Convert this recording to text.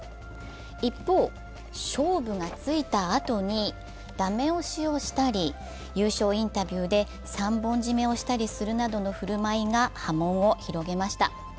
一方、勝負がついたあとに駄目押しをしたり優勝インタビューで三本締めをしたりするなどの振る舞いが波紋を広げました。